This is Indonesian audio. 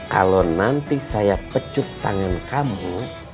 kalau nanti saya pecup tangan kamu